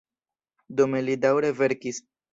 Dume li daŭre verkis.